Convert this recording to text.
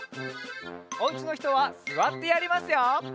おうちのひとはすわってやりますよ。